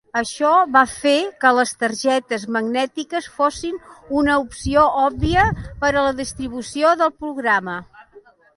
Això va fer que les targetes magnètiques fossin una opció òbvia per a la distribució del programa.